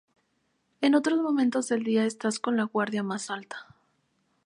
En otros momentos del día estás con la guardia más alta.